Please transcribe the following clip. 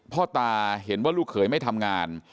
พ่อตาเห็นว่าลูกเขยไม่ทำงาน